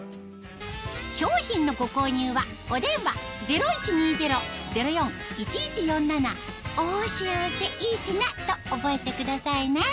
商品のご購入はお電話０１２０−０４−１１４７と覚えてくださいね